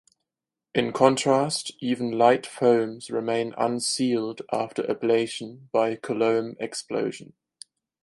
In contrast, even light foams remain unsealed after ablation by Coulomb explosion.